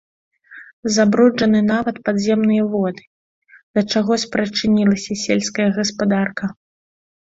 Забруджаны нават падземныя воды, да чаго спрычынілася сельская гаспадарка.